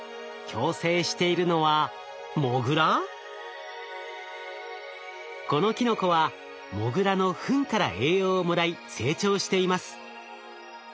共生しているのはこのキノコはモグラのふんから栄養をもらい成長しています。